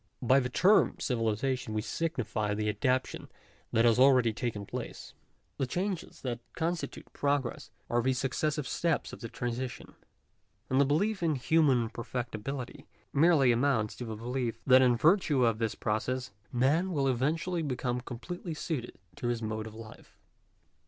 By the term civilization we i signify the adaptation that has already taken place. The ■ changes that constitute progress are the successive steps of the • transition. And the belief in human perfectibility, merely amounts to the belief, that in virtue of this process, man will , eventually become completely suited to his mode of life.